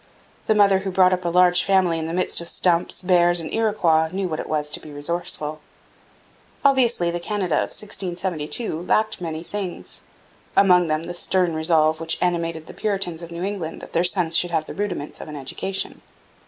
The mother who brought up a large family in the midst of stumps, bears, and Iroquois knew what it was to be resourceful. Obviously the Canada of 1672 lacked many things among them the stern resolve which animated the Puritans of New England that their sons should have the rudiments of an education.